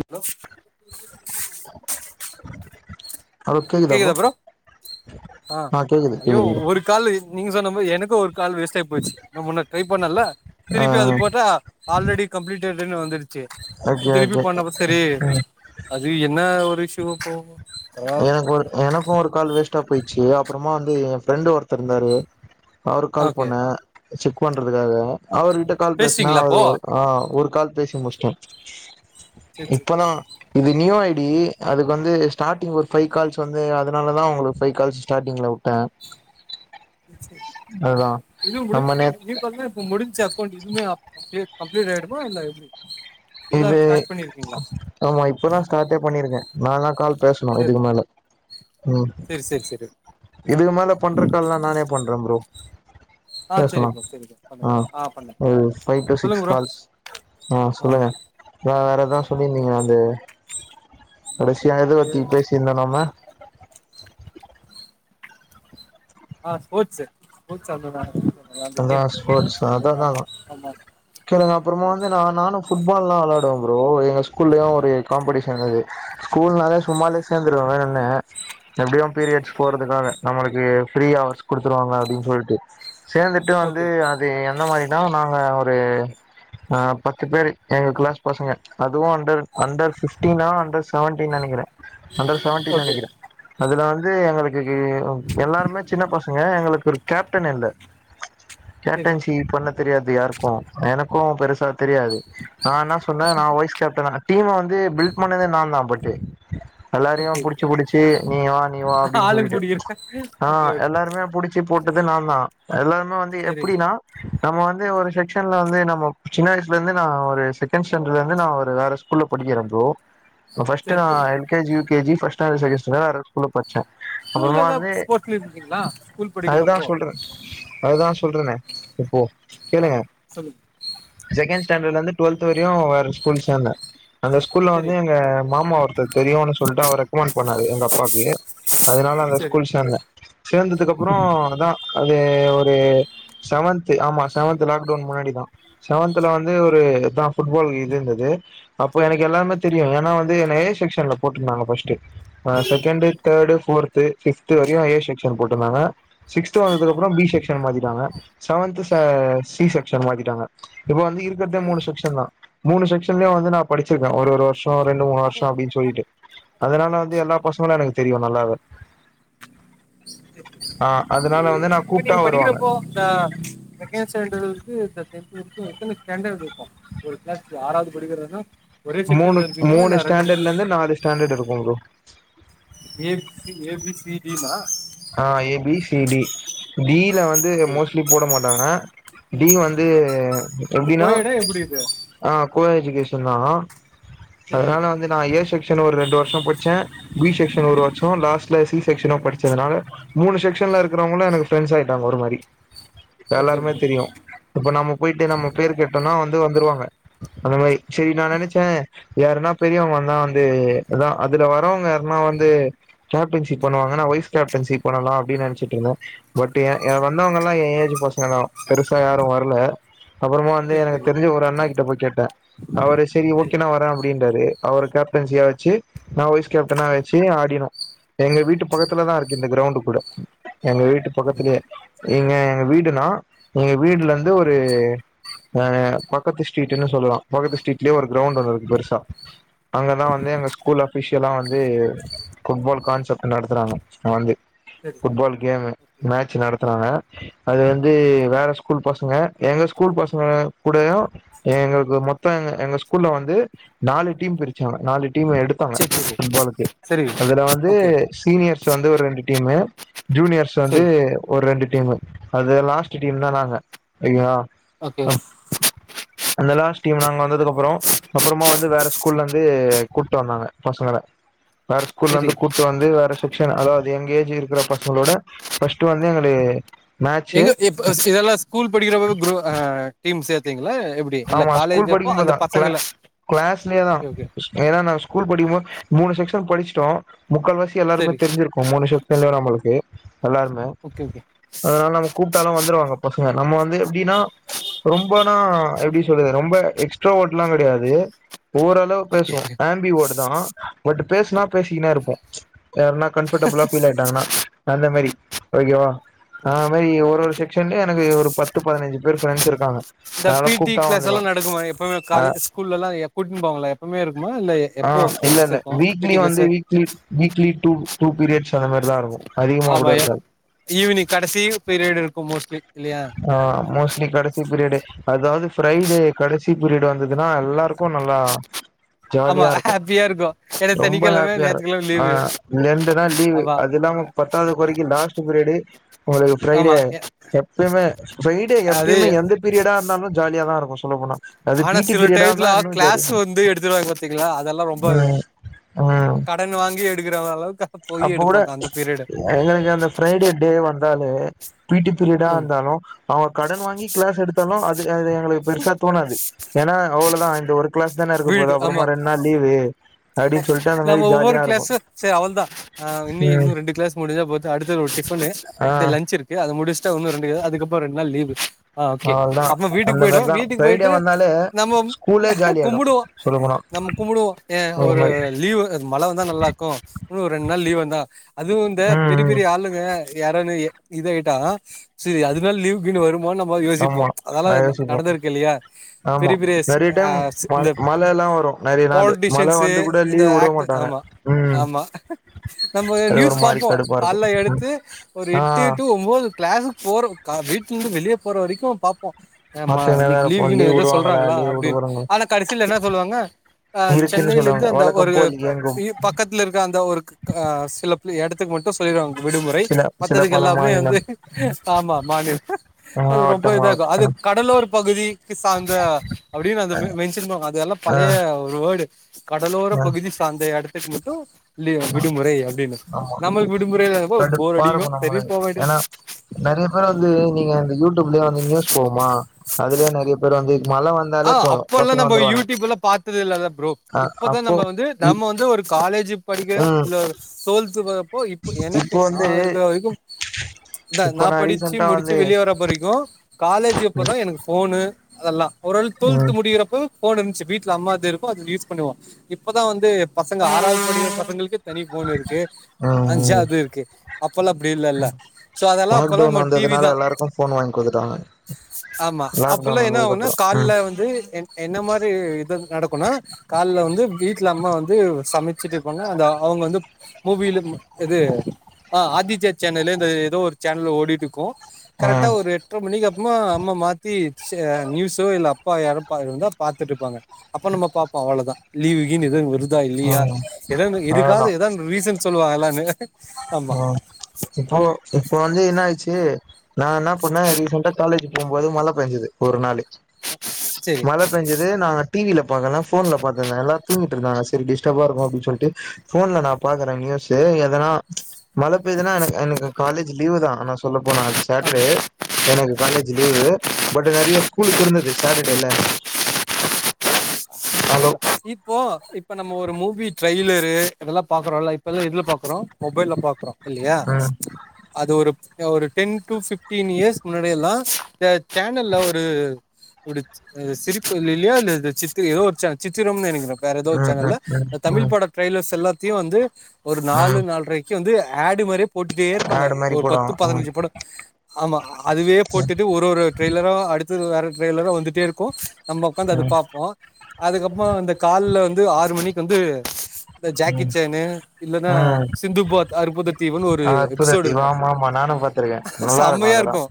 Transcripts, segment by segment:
hello hello கேக்குதா bro ஆ அ கேக்குது ஐயோ கேக்குது ப்ரோ ஒரு கால் நீங்க சொன்ன மாரி எனக்கும் ஒரு கால் வேஸ்டா ஆய் போச்சு முன்ன ட்ரை பண்ணலேன் ஆ திருப்பி அது போட்ட ஆல்ரெடி கம்ப்ளீட் ரிட்டர்ன் வந்துடுச் சே ஓகே இப்ப திருப்பி ஓகே பண்ணப்ப சரி அது என்ன ஒரு இஷ்யூ போங்கோ ஹலோ ஒரு எனக்கும் ஒரு கால் வேஸ்டு டா போயிச்சு அப்புறமா வந்து என் ஃப்ரெண்டு் ஒருத்தர் இருந்தாரு அவரு கால் ஓகே பண்ண செக் பண்றதுக்காக அவர்கிட்ட கால் பேசுனா பேசிட்டீங்களா அவர் அப்போ ஆ ஒரு கால் பேசி முஷ்ட சேரி சேரி இப்பதான் இது நியூ ஆய் ப்பிடி அதுக்கு வந்து ஸ்டார்ட் ஒரு பைவ் கால்ஸ் வந்து அதனாலதான் உங்களுக்கு கால்ஸ் ஸ்டார்டிங்ல வுட்டேன் சேரி இது முடி நே நீ பன்ன இப்ப முடிஞ் அக்கௌண்ட் இதுவும கம்ப்ளட் ஆயிடுமா இல்ல எப்படி இது ஆமா இப்பதான் ஸ்டார்ட்டே பண்ணிருக்கேன் ந நான கால் பேசணும் சேரி இதுக்கு மேல உம் சேரி சேரி சேரி இதுக்கு மேல பண்றக்கால்லாம் நானே பண்றேன் ப்ரோ ஆ சரி பேசனும் ப்ரோ சரி ப்ரோ பண்ணுங்க ஆஹ் ஆ பண்ணுங்க ஒரு ஃபை டு சொல்லுங்க சிக்ஸ் ப்ரோ கால்ஸ் ஆஹ் சொல்லுங்க நான் வேற எதான் சொல்லியிருந்தீங்க அந்த கடைசியா எத பத்தி ஆ பேசியிருந்தேம் நம்ம [inaudible] ஆஹ் ஸ்போர்ட்ஸ்ஷு ஸ்போர்ட்ஸ் அல்ல நா அதான் ஸ்போர்ட்ஸ் அதான் ஆமா நான் அப்பறமா வந்து ந நானும் புட்பால் எல்லாம் விளையா ப்ரோ எங்க ஸ்கூல்லயும் ஒரு காம்படிஷன் இருந்துது ஸ்கூல்னாலே சும்மாவே சேர்ந்துருவ வேறன்ன எப்படியும் பீரியட்ஸ் போறதுக்காக நம்மளுக்கு ஃப்ரீ ஹாவர்ஸ் குடுத்துருவாங்க அப்படின்னு சொல்லிட்டு சேர்ந்துட்டு வந்து ஓகே அது எந்த மாரி ஆஹ் நாங்க ஒரு பத்து பேர் எங்க கிளாஸ் பசங்க அதுவும் அண்டர் அண்டர் பிப்டினா அண்டர் ஸி செவன்டீன் நினைக்கிறே அண்டர் செவன்டீன் ஓகே நினைக்கிறே அதல வந்து எங்களுக்கு எல்லாருமே சின்ன பசங்க எங்களுக்கு ஒரு கேப்டன் இல்ல சரி கேப்டஞ்சி சி இ பொண்ண தெரியாது யாருக்கும் எனக்கும் பெருசா தெரியாது நான் என்ன சொன்னேன் நான் வைஸ் கேப்டன டீம்ம வந்து பில்ட் பண்ணதே நான் தான் பட்டு் எல்லாரையும் ஓகே புடிச்சு ஓகே புிடிச்சு நீ வா நீ வா அப்படின்னு ஆளும் சொல்லிட்டு கூடியிருக்க ஓகே ஆஹ் ஓகே எல்லாருமே புடிச்சு போட் து நா தான் எல்லாம் சும்மா வந்து சரி எப்டின்னா நம்ப வந்து ஒரு செக்ஷன்ல வந்து நம்ப சின்ன வயசுலேருந்து நான் ஒரு செகண்ட் ஸ்டாண்டர்ட்லருந்து நான் ஒரு வேறு ஸ்கூல்ல படிக்கற ப்ரோ ஃபர்ஸ்ட் சரி நா சரி L K G U K G first standard second standard வேற ஸ்கூல் [unintelligible] ஸ்கூல்ல ஏதா ஸ்போர்ட்ல இருந்தீங்களா ஸ்கூல் அதுதான் படிக்கிறப்போ சொல்றேன் அதுதான் சொல்றேனே இப்போ ஆ கேளுங்க சொல்லுங்க செகன் செகன்ட் ஸ்டாண்டர்ட்லந்து டுவெல்த் வரையும் வேற ஸ்கூல்ல சேந்தேன் அந்த ஸ்கூல்ல வந்து சரி எங்க மாமா [unintelligible] தெரியும்ன்னு சொல்லிட்டு அவர் ரெக்கமெண்ட் பண்ணாரு எங்க அப்பாவுக்கு அதனால அந்த சரி ஸ்கூல் சேந்தேன் சேந்ததுக்கு அப்புறம் தான் அது ஒரு செவன்த் ஆமா செவன்த் லாக்டவுன் முன்னாடிதான் செவன்த்ல வந்து ஒருதான் பேஸ்கட்பால் இது இருந்தது அப்போ எனக்கு எல்லாமே சரி தெரியும் ஏன்னா வந்து ஏ செக்சன்ல போட்ருந்தாங்க ஃபஸ்ட் ஆ செகண்ட் தேர்டு ஃபோர்த் ஃபிப்த் வரையும் ஏ செக்ஷன் போட்ருந்தாங்க சிக்த் வந்ததுக்கு அப்புறோம் பி செக்ஷன் மாத்திட்டாங்க செவன்த் சி செக்ஷன் மாத்திட்டாங்க இப்ப வந்து இருக்கிறதே மூணு செக்க்ஷன் தான் மூணு செக்ன்லய வந்து நான் படிச்சிருக்கேன் ஆ ஒரு ஒரு வருஷோம் ரெண்டு மூணு வருஷோம் அப்டின்னு சொல்லிட்டு அதனால வந்து எல்லா பசங்களும் எனக்கு தெரியும் நல்லாவே [inaudible] ஆ அதனால வந்து நா இப்ப கூப்ட்டா நீங்க வருவாங்க படிக்கிறப்போ இந்தா மெக்கானசான்றது வந்து [inaudible] எத்தன ஸாண்டர் [unintelligible] இருக்கும் ஒரு கிளாஸ் ஆறாவது படிக்கிறதுனா ஒரே மூணு செக்ஷன்ல இருப்பீங்களா மூணு இல்லை ரெண்டு ஸ்டாண்டர்ட்ல இருந்து நாலு ஸ்டாண்டர்ட் இருக்கும் bro A ஏபிசிடினா [inaudible] ah AB C D B இல்ல வந்து சரி மோஸ்ட்லி போட மாட்டாங்க நா பீ வந்து சரி இந்த எப்டின்னா கோயடா எப்படி இது ஆ கோயட் எஜிகேஷன் தான் அதனால வந்து நான் ஏ செக்ஷன் ஒரு ரெண்டு வருஷோம் படிச்சேன் பி செக்ஷன் ஒரு வருஷம் லாஸ்ட்ல சி ச கொஸ்டினா படிச்சேன் [unintelligible] அதனால மூணு செக்ஷன்ல இருக்கிறவங்களும் எனக்கு பிரெண்ட்ஸ் ஆயிட்டாங்க ஒரு மாதிரி எல்லாருமே தெரியும் இப்ப நம்ம போயட்டு நம்ம பேர் கேட்டோம்னா வந்து வந்துருவாங்க அந்த மாதிரி சரி ந நினைச்சேன் யாருன்னா பெரியவங்கந்தான் வந்துன் அதுல வரவங்க யாருனா வந்து கேப்டன்ஷிப் பண்ணுவாங்க வய கேப்டன்சி போண்ணலாம் அப்படின்னு நினைச்சிட்டு இருந்தேன் பட் ஏ வந்தவங்க எல்லாம் என் ஏஜ் பசங்கா தான் பெருசா யாரும் வரல அப்புறமா வந்து எனக்கு சரி தெரிஞ்சு ஒரு அண்ணா கிட்ட போய் கேட்டேன் அவரு சரி ஓகே நா வரேன் அப்டின்றாரு அவர் கேப்டன்சியா வச்சு நா வைஸ் சரி கேப்டனா ஓகே வச் சு ஆடினோ எங்க வீட்டு ஓகே பக்கத்துலதா இருக் கிரவுண்டு கூட எங்க வீட்டு பக்கத்துலயே எங்க எங்க வீட் டுனா எங்க வீடுல இருந்து ஒரு ஆ பக்கத்து ஸ்ட்ரீட்ன்னு சொல்லலா பக்கத்து ஸ்ட்ரீட்லயே ஒரு கிரௌண்ட் ஒன்னு இருக்கு பெருசா அங்கதா வந்து எங்க ஸ்கூல் அஃபிஷ் ஷியலா வந்து ஃபுட்பால் கான்செப்ட் நடத்துறாங்க ஆ வந்து சரி ஃபுட்பால் கேமு மேட்ச் நடத்துறாங்க அது வந்து வேற ஸ்கூல் பசங்க எங்க ஸ்கூல் பசங்க கூடயு எங்களுக்கு மொத்தம் எ எங்க ஸ்கூல்ல வந்து நாலு டீம் பிரிச்சாங்க நாலு டீம் எடுத்தாங்க சரி சரி ஃபுட்பாலுக்கு சரி அதுல வந்து ஓகே ஓகே சரி ஓகே சரி சரி சரி ஓகே சீனியர் து ஒரு ரெண்டு டீமு ஜூனியர்ஸ் வந்து சரி ஒரு ரெண்டு டீமு அது லாஸ்ட் டீம்தா நாங்க ஓகேங்ளா ஓகே அந்த லாஸ்ட் டீம் நாங்க வந்ததுக்கு அப்புறோ அப்புறமா வந்து வேற ஸ்கூல்ல இருந்து கூட்டு வந்தாங்க பசங்கள வேற ஸ்கூல்ல சரி இருந்து கூட்டு வந்து வேற ஸ் ச்சன் அதாவது எங்க ஏஜ் இருக்கிற பசங்களோட ஃபர்ஸ்ட் வந்து எங்கள எங்க இப் செ இதெல்லா ஸ்கூல் படிக்கிறபோதே ப்ரோ ஆ டீம் சேத் ஆமா ஸ்கூல் படிக்கும்போதுதா க்ளா பசங்கள கிளாஸ்லயேதா ஓகே ஓகே ஏன்னா நா ஸ்கூல் படிக்கும்போது மூணு செக் ஷன் படிச்சிட்டோ முக்கால்வாசி எல்லாருமே சரி தெரிஞ்சிருக்கு மூணு வர்ஷத்துல நம்மளுக்கு எல்லாருமே ஓகே ஓகே அதனால நம்ம கூப்ட்டாலு வந்துருவாங்க பசங்க நம்ம வந்து எப்டின்னா ரொம்பனா எ ப்டி சொல்றது ரொம்ப எக்ஸ்ட்ரா ஓட் எல்லா கெடையாது ஓவராலா ஓகே பேசுவோ ஆம்பி ஓட்தா பட் பேசுனா பேசிக்கினே இருப்போ யாருனா கம்ஃபர்ட்டபுளா ஃபீல் ஆயிட்டாங்கன்னா அந்த மாரி ஓகேவா அது மாரி ஒரு ஒரு செக்ஷன்லயு எனக்கு ஒரு பத்து பதினஞ்சு பேரு ஃபிரெண்ட்ஸ் இருக்காங்க இந்த அதனால பி டி கூப்ட்டா கிளாஸ் எல்லா வந்துருவ நடக்குமா எப்பவுமே அ காலேஜ் ஸ்கூல்லல்லா எ கூட்னு போவாங்களே எப்பமே இருக்குமா இல்ல ஆ எப்போ இல்ல கிளாஸ் இல்ல இருக்கும் பி வீக்லி டி வந்து class weekly weekly two two periods அந்த மாரிதா இருக்கு அதிகமா கூட ஆமாயா இருக்காது ஈவினிங் கடைசி பீரியடு இருக்கும் மோஸ்ட்லி இல்லையா ஆஹ் மோஸ்ட்லி கடைசி பிரியரியாடை அதாவது ஃரைடே க டைசி பீரியட் வந்து துது தா எல்லாருக்கும் நல்லா ஆமா ஜாலியா இருக்கும் ஹாப்பியா இருக்கும் ஏன்னா ரொம்ப சனிக்கிழமை ஹாப்பியா இரு ஞாயிற்றுக்கிழமை லீவு ஆஹ் ரெண்டு நாள் லீவு ஆமா அது இல்லாம அஹ், பத்தாவது அஹ், குறைக்கும் லாஸ்ட் பீரியடு உங்களுக்கு ஆமா பிரைடே எ- எப்பயுமே ஃப்ரைடே அது எப்பயுமே எந்த பீரியடா இருந்தாலும் ஜாலிய தான் இருக்கும் சொல்ல போனா அது ஆனா பி டி சில பீரியடா டடைத்துல இருந்தா இன்னு ஜாலி கிளாஸ் வந்து எடுத்துடுவாங்க பாத்தீங்களா அதெல்லாம் ரொம்பவே ம் கடன் வாங்கி எடுக்கறனாலவு அப்போ கூட எங்களுக்கு அந்த பிரரைடே டே வந்தால பீட்டி பீரியடா ம் இருந்தாலும் அவங்க கடன் வாங்கி கிளாஸ் எடுத்தாலும் அது து எங்களுக்கு பெருசா தோணாது ஏன்னா அவ்வளதான் கிளாஸ் தான இருக்க போகுது வீடு அப்புறமா ஆமா ரெண்டு நாள் லீவு அப்டின்னு சொல்லிட்டு அந்த மாதிரி ஜாலியா இருக்கும் ஆஹ் இன்ன இன்னும் ரெண்டு கிளாஸ் முடிஞ்சா அடுத்த ஒரு டிஃபன் ஆ லஞ்ச் இருக்கு முடிச்டா உண்ணும் ரெண்டு அதுக்கப்புற ரெண்டு நாள் லீவு ஆ ஓகே அவள்தான் அப்ப வீட்டுக்கு அந்த போயிடு மாரிதான் வீட்டுக்கு ஃப்ரைடே வந்தாலே ஸ்கூலே ஜாலியா கும்பிடுவோம் நம்ம கும்பிடுவோம் ஏன் ஒரு லீவு மழை வந்தா நல்லா இருக்கும் இன்னும் ஒரு ரெண்டு நாள் லீவ் வந்தா அதுவும் வ இந்த ம் பெரிய ம் பெரிய ஆளுங்க யாரன்னு இதையிட்டா சோ அதனால லீவு கீனு வரும் மோனு நம்ம வந்து யோசிப்போம் ஆமா அதால நா யோசிப்போ நடந்திருக்கு இல்லையா ஆமா பெரிய பெரிய சி நெறைய ஹ டைம் சி ம மழ எல்லா வரு நெறைய நாளு மழ பாலிட்டிசன்ஸ்சு வந்து கூட இந்த லீவ் விட ஆக்ட்டு மாட்டாங்க ஆமா ம் ஆமா நம்ம அது ஒரு நியூஸ் மாரி பாப்போம் கடுப்பா கால இருக்கு எடுத்து ஒரு ஆ எட்டு டு ஒன்பது க்ளாசு போரோ [unintelligible] வெளிளே போற வரைக்கும் பார்போம் மத்த வேற இருப்போம் லீவ் விடுவாங்களா லீவ் அப்டின்னு விடுவருங்கள ஆனா கடைசியில என்ன சொல்லுவாங்க ஹ இருக்குன்னு சென்னையில இருந்து சொல்லுவாங்க அந்த ஒரு வழக்கம் போல் இயங்கும் பக்கி பக்கத்தில் இருக்க அந்த ஒரு ஒரு கா சி எடத்துக்கு மட்டும் சொல்லிருவாங்க விடுமுறை சில சில மத்ததுக்கு பல எல்லாமே வந்து மாநிலம் ஆமா மாநிலம் அது ரொம்ப மாவட்டம் இதாகக்கும் அது மாவட்டம் கடலோர் பகுதிக்கு சார்ந்த அப்படின்னு அந்த இருங்க அததெல்லாம் ஆ பழைய ஒரு வேர்டு கடலோர ஆ பகுதி அந்த இடத்து [unintelligible] ஆமா விடுமுறைல போர் கடுப்பா அடிக்கு இருக்கும் சரி நம்மளுக்கு போ வேண்டியது ஏன்னா நிறைய பேர் வந்து நீங்க இந்த யூடியூப்லயே வந்து நியூஸ் போகுமா அதுலயே நறைய பேர் வந்து மழ வந்தாலே ஆஹ் போது அப்ப எல்லாம் பசங்க நம்ம வந்துருவானுங்க யூடியூப் எல்லாம் பார்த்தது இல்லாத ப்ரோ அ இப்பதான் அப்போ நம்ம வந்து நம்ம இப் வந்து ஒரு காலேஜ் படிக்கிற ம் இல்ல டுவலத்து பா இப்போ இப்போ எனக்கு நா இருக்குற வரைக்கு இந்தா நா இப்ப படிச்சி ரீசன்டா முடிச்சி வந்து வெளியேர வரைக்கு காலேஜ் ம் அப்போதா எனக்கு போஃனு அதெல்லா ஒரு ஆள் ட்வெல்த் ம் முடிகிறப்ப போனு இன்ச்சு வீட்ல அம்மாது இருக்கும் அத யூஸ் பண்ணுவோம் இப்ப தான் வந்து பசங்க ஆறாவது படிக்குற பசங்களுக்கு தனி போன் இருக்கு ம் ம் அஞ்சாது இருக்கு அப்பல்லாம் அப்டி இல்லல சோ அதெல்லாம் அப்பெல்லாம் லாக்டவுன் நம்ம டிவி வந்ததுனால தான் எல்லாருக்கு ஃபோன் வாங்கி குடுத்துட்டாங்க ஆமா லாக்டவுன் அப்பெல்லாம் எல்லாம் ஒன்னா வந்ததுக்கப்புறோ கால்ல ம் வந்து என்ன மாரி இது நடக்குனா கால் வந்து வீட்ல அம்மா வந்து சமைச்சிட்டு இருப்பாங்க அந்த அவுங்க வந்து மூவில இது ஆ ஆதித்யா சேனலு எதோ ஒரு சேனலு ஓடிட்டு இருக்கும் கரெக்ட்டா ம் ஒரு எட்ரை மணிக்கு அப் சும்மா அம்மா மாத்தி நியூஸ் இல்ல அப்பா யாரோ இருந்தா பாக்குறதா இருந்தா பாத்திட்டு இருப்பாங்க அப்ப நம்ப பாப்போம் அவ்ளோ தான் லீவு கீவுனு எதும் விட்றதி இருக்கா இல்லையா ம் எதானு இருக்காது எதுக்காது ரீசன் சொல்லுவாங்கல்லனு ஆஹ் இப்போ இப்போ வந்து என்ன ஆயிச் சு நான் என்னா பண்ணேன் ரீசெண்ட்டா காலேஜ் போம்போது மழை பேஞ்சது ஒரு நாளு சரி மழ பேஞ்சது நாங்க டிவியில பாக்கல்னா போன்ல பாத்து எல்லா தூங்கிட்டுருந்தாங்க செரி டிஸ்டர்பா இருக்கும் அப்டின்னு சொல்லிட்டு ஃபோன்ல நான் பாக்குறேன் நியூசு எதனா மழ பெய்துனா என எனக்கு காலேஜ் லீவு தான் ஆனா சொல்ல போன அது ஆ சாட்டர்டே எனக்கு காலேஜ் லீவு பட் நெறைய ஸ்கூலுக்கு இருந்தது சாட்டர்டே ல ஹலோ இப்போ இப்ப நம்ம ஒரு மூவி ட்ரெய்லரு இதெல்லாம் பாக்றோம்ல இப்ப எல்லாம் எதுல பாக்றோம் மொபைல்ல பாக்றோம் இல்லையா ம் அது ஒரு ஒரு டென் டூ பிஃப்டீன் இயர்ஸ் முன்னாடில்லாம் இந்த சேனல்ல ஒரு சிரிப்போலிலயோ சித்திரையோ எதோ ஒரு சேன சித்திரம்னு நெனக்கிறேன் வேற எதோ ம் சேனல்ல ம் ம் தமிழ் ம் பட ட்ரெய்லர்ஸ் எல்லா த்தையும் வந்து ஒரு நாலு ம் நால்ரை வந்து அட் மாரி போட்டுட்டே இருப்பாங்க ஆடு மாரி ஒரு போடுவா பத்து ம் பதினஞ்சு படம் ஆமா அதுவே போட்டுட்டு ஒரு ஒரு ட்ரெய்லரா அடுத் வேற ட்ரெய்லரும் வந்துட்டே இருக்கும் நம்ப ஒக்காந்து அது ம் பாப்போம் அதுக்கப்புறோம் அந்த கால்ல வந்து ஆறு மணிக்கு வந்து இந்த ம் ஜாக்கி ம் சேனு இல்லன்னா ஆ சிந்து பாத் அற்புத தீவுன்னு ஒரு அற்புத எபிசோடு தீவு இருக்கும் ஆமா ஆமா நானு பாத்திருக்கே நல்லா சம்மையா அதெல்லா இருக்கு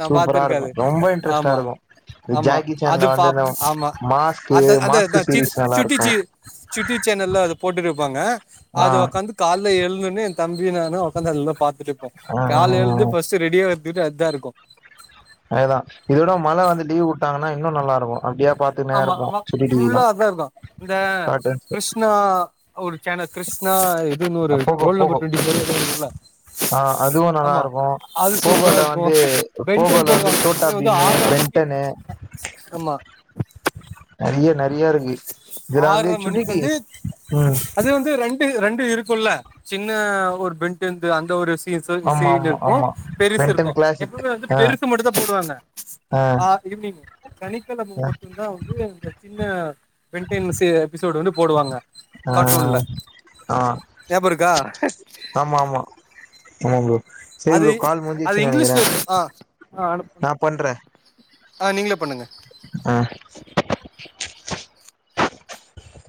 நான் சூப்பரா பாத்துருக்கேன் இருக்கு அது ரொம்ப இன்ட்ரெஸ்ட்டா ஆமா இருக்கு இந்த ஆமா ஜாக்கி அது சேன்ல வந்து பாப் இந்த ஆமா மாஸ்க்கு அத்த அந்த த மாஸ்க்கு சி சீரீஸ் நல்லா சிட்டி இருக்கு சி சிட்டி சேனல்ல அத போட் இருப்பாங்க ஆ அது ஒக்காந்து கால்ல எல்ந்து ஒடனே தம்பி நானும் உக்காந்து அதுல பார்த் இருப்போம் ஆ ஆ காலையில இருந்து ஃபர்ஸ்ட்டு ரெடியா இரு திட அது தான் இருக்கும் அது தான் இத விட மழ வந்து லீவு் வுட்டாங்கன்னா இன்னும் நல்லா இருக்கும் ஆமா ஆமா புல்லா அது த இருந்த இந்த கார்ட்டூன்ஸ் கிருஷ்ணா ஒரு சேனல் கிருஷ்ணா இதுனு ஒரு Pogo roll number Pogo twenty four எதோ ஒன்னு இருக்குல ஆ அதுவு நல்லா ஆமா இருக்கு அது சூப்பரா போகோல வந்து இருக்கு பென்ட் ஆ போகோல வந்து சோட்டா எப்பவுமே பீமு ஆற்ர மணிக்கு பென்டனு நெறைய ந பிரீயா இருக்கு இதுல வந்து ஆற்ர சுட்டி மணிக்கு டி வந்து உம் இப்ப இருக்கோல சின்ன ஒரு பெண்டேன்டது அந்த ஒரு ஆமா சீன் ஆமா இருக்கோ ஆமா பெருசு இருக்கோ பென்டன் கிளாசிக் எப்பமே வந்து ஆ பெருசு மட்டுத போடுவாங்க ஆ அ இவ்லிங் சனிக்கிழ மை ஆ மட்டு த வந்து இந்த சின்ன பெண்டென் மிஸ் எபிசோடு வந்து போடுவாங்க கார்ட்டூன்ல ஆஹ் ஆஹ் ஞாபக இருக்கா அ ஆமா ஆமா ஆமா ப்ரோ சரி அது ப்ரோ கால் அது முடிஞ்சிச்சுன்னு நெனைக்கிறே இங்லீஷஸ்ல இ ஆஹ் ஆஹ் அனுப் நா பண்றே ஆஹ் நீங்களே பண்ணுங்க ட்ராங் [inaudible]